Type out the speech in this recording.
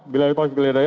bila itu saya keledaya